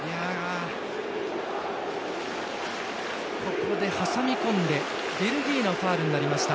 ここで挟み込んでベルギーのファウルになりました。